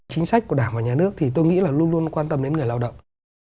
chính sách của đảng và nhà nước thì tôi nghĩ là luôn luôn quan tâm đến người lao động